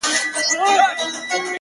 ملالۍ دغه غیرت وو ستا د وروڼو؟-